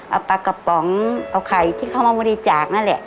เอาปลากระป๋องเอาไข่ที่เขามาบริจาคนั่นแหละ